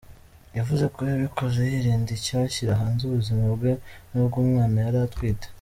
Yavuze ko yabikoze yirinda icyashyira hanze ubuzima bwe n’ubw’umwana yari atwite.